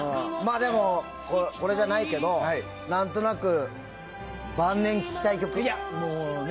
でも、これじゃないけど何となく晩年聴きたい曲。